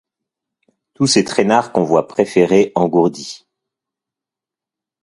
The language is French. Tous ces traînards qu'on voit préférer, engourdis